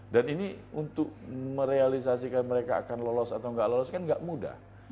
dan ini untuk merealisasikan mereka akan lolos atau nggak lolos kan nggak mudah